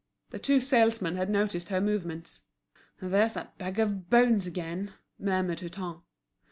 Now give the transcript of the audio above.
The two salesmen had noticed her movements. "There's that bag of bones again," murmured Hutin.